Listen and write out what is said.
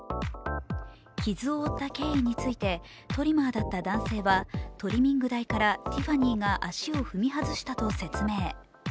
傷を負けた経緯について、トリマーだった男性は、トリミング台からティファニーが足を踏み外したと説明。